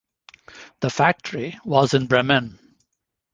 The factory was in Bremen.